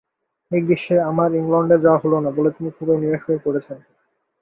এই গ্রীষ্মে আমার ইংলণ্ডে যাওয়া হল না বলে তিনি খুবই নিরাশ হয়ে পড়েছেন।